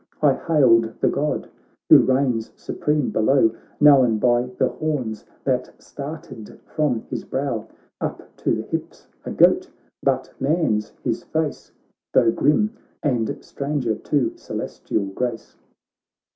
I hailed the God who reigns supreme below, Known by the horns that started from his brow ; Up to the hips a goat, but man's his face, Tho' grim, and stranger to celestial grace.